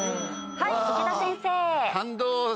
はい池田先生。